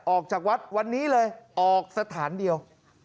ออกจากวัดวันนี้เลยออกสถานเดียว